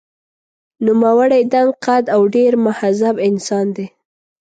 نوموړی دنګ قد او ډېر مهذب انسان دی.